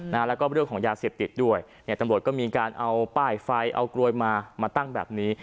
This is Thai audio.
แล้วก็เรื่องของยาเสพติดด้วยเนี่ยตำรวจก็มีการเอาป้ายไฟเอากลวยมามาตั้งแบบนี้